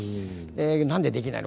なんでできないの？